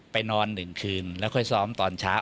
ไปนอนหนึ่งคืนแล้วค่อยซ้อมตอนเช้า